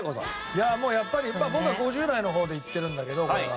いやあもうやっぱり僕は５０代の方でいってるんだけどこれは。